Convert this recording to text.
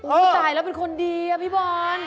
อุ๊ยตายแล้วเป็นคนดีอ่ะพี่บอร์น